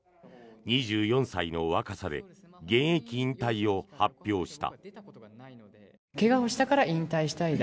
２４歳の若さで現役引退を発表した。